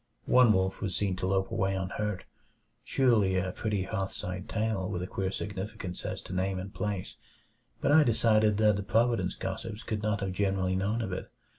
One wolf was seen to lope away unhurt. Surely a pretty hearthside tale, with a queer significance as to name and place; but I decided that the Providence gossips could not have generally known of it.